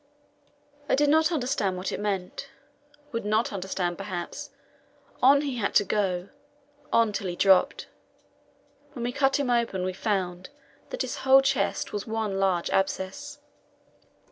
I did not understand what it meant would not understand, perhaps. On he had to go on till he dropped. When we cut him open we found that his whole chest was one large abscess.